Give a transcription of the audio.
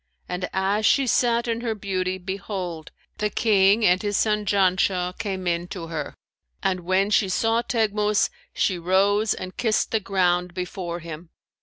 And as she sat in her beauty, behold, the King and his son Janshah came in to her, and when she saw Teghmus, she rose and kissed the ground before him.